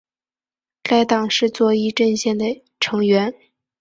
该党是左翼阵线的成员。